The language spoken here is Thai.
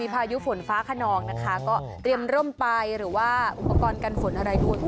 พายุฝนฟ้าขนองนะคะก็เตรียมร่มไปหรือว่าอุปกรณ์กันฝนอะไรด้วย